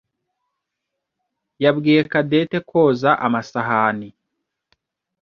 yabwiye Cadette koza amasahani.